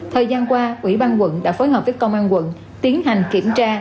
thời gian qua ủy ban quận đã phối hợp với công an quận tiến hành kiểm tra